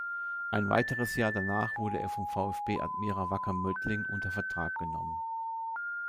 Ein weiteres Jahr danach wurde er vom VfB Admira Wacker Mödling unter Vertrag genommen.